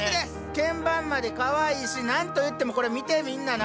けん盤までかわいいし何と言ってもこれ見てみんな中。